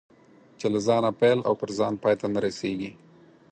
چې له ځانه پیل او پر ځان پای ته نه رسېږي.